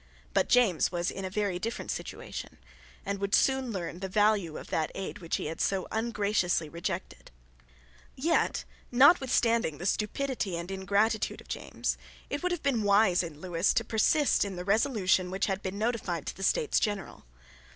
But James was in a very different situation, and would soon learn the value of that aid which he had so ungraciously rejected. Yet, notwithstanding the stupidity and ingratitude of James, it would have been wise in Lewis to persist in the resolution which had been notified to the States General.